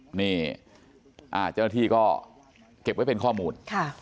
เจ้าหน้าที่ก็เก็บไว้เป็นข้อมูล